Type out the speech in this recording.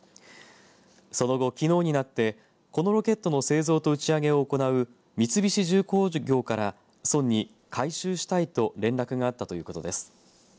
その後、きのうになってこのロケットの製造と打ち上げを行う三菱重工業から村に回収したいと連絡があったということです。